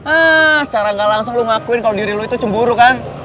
ehh secara ga langsung lu ngakuin kalo diri lu itu cemburu kan